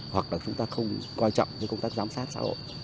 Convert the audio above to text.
hoặc là chúng ta không quan trọng công tác giám sát xã hội